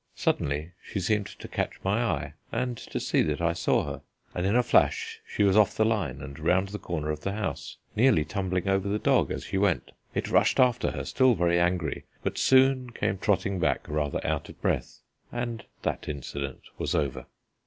Suddenly she seemed to catch my eye and to see that I saw her, and in a flash she was off the line and round the corner of the house, nearly tumbling over the dog as she went. It rushed after her, still very angry, but soon came trotting back, rather out of breath, and that incident was over.